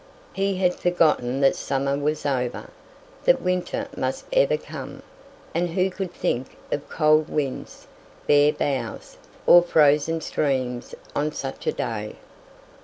He had forgotten that summer was over, that winter must ever come; and who could think of cold winds, bare boughs, or frozen streams on such a day?